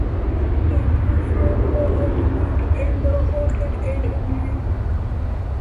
They performed "The Honeymoon" and "The Haunted Inn" in June.